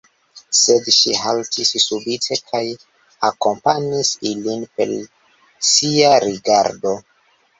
Sed ŝi haltis subite kaj akompanis ilin per sia rigardo.